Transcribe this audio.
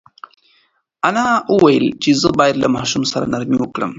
انا وویل چې زه باید له ماشوم سره نرمي وکړم.